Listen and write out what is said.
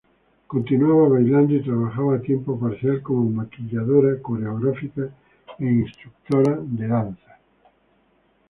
Continuaba bailando y trabajaba a tiempo parcial como maquilladora, coreografía e instrucción de danza.